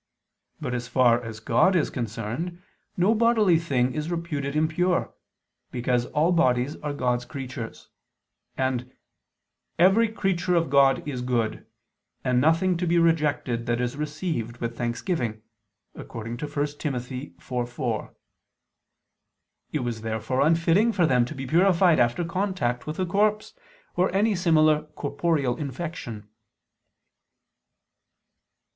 But as far as God is concerned, no bodily thing is reputed impure, because all bodies are God's creatures; and "every creature of God is good, and nothing to be rejected that is received with thanksgiving" (1 Tim. 4:4). It was therefore unfitting for them to be purified after contact with a corpse, or any similar corporeal infection.